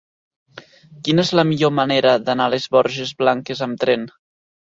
Quina és la millor manera d'anar a les Borges Blanques amb tren?